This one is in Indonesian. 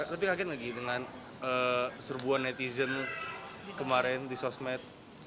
tapi kaget nggak sih dengan serbuan netizen kemarin di sosmed